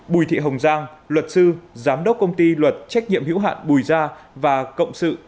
bùi thị hồng giang luật sư giám đốc công ty luật trách nhiệm hữu hạn bùi gia và cộng sự